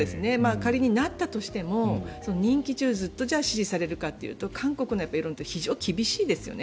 仮になったとしても、任期中じゃあ支持されるかというと韓国の世論って非常に厳しいですよね。